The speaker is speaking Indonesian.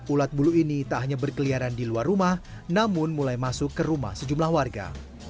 ulat bulu ini tak hanya berkeliaran di luar rumah namun mulai masuk ke rumah sejumlah warga